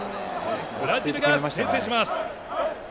ブラジルが先制します。